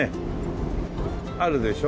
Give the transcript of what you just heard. あるでしょ？